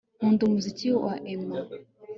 Nkunda umuziki wa Aimer